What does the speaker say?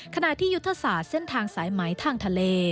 ขณะที่ยุทธศาสตร์เส้นทางสายไหมทางทะเล